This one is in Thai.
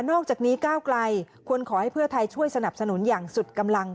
อกจากนี้ก้าวไกลควรขอให้เพื่อไทยช่วยสนับสนุนอย่างสุดกำลัง